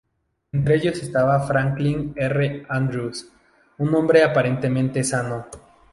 Entre ellos estaba Franklin R. Andrews, un hombre aparentemente sano.